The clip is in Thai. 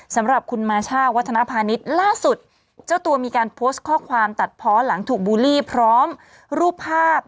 สำหรับคุณมาช่าวัฒนภาณิชย์ล่าสุดเจ้าตัวมีการโพสต์ข้อความตัดเพาะหลังถูกบูลลี่พร้อมรูปภาพ